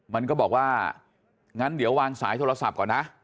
มันก็บอกว่างั้นเดี๋ยววางสายโทรศัพท์ก่อนนะ